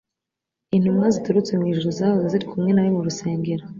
Intumwa ziturutse mu ijuru zahoze ziri kumwe nawe mu rusengero,